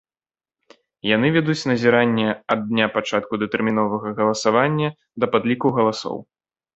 Яны вядуць назіранне ад дня пачатку датэрміновага галасавання да падліку галасоў.